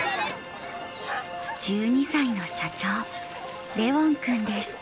１２歳の社長レウォン君です。